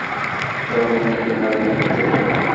তোমার মুখটা একটু লাল দেখাইতেছে বটে।